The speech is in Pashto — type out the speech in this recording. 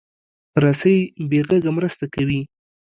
رسۍ بې غږه مرسته کوي.